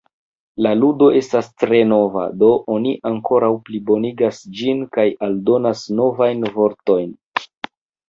La ludo estas tre nova, do oni ankoraŭ plibonigas ĝin kaj aldonas novajn vortojn.